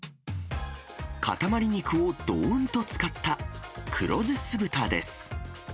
塊肉をどーんと使った、黒酢酢豚です。